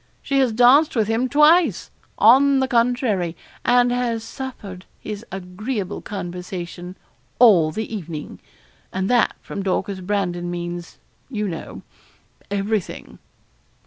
She has danced with him twice, on the contrary, and has suffered his agreeable conversation all the evening; and that from Dorcas Brandon means, you know, everything.'